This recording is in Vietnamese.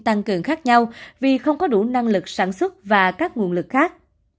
tăng cường khác nhau vì không có đủ năng lực sản xuất và các nguồn lực khác